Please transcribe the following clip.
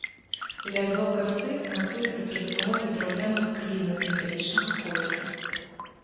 Лязо касы мацуецца пры дапамозе драўлянага кліну і металічнага кольца.